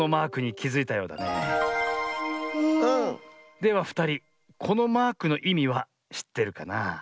ではふたりこのマークのいみはしってるかな？